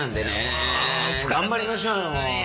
頑張りましょうよ。